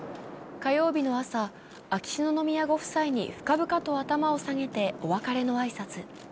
火曜日の朝、秋篠宮ご夫妻に深々と頭を下げて、お別れの挨拶。